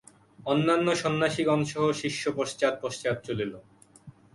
অন্যান্য সন্ন্যাসিগণসহ শিষ্য পশ্চাৎ পশ্চাৎ চলিল।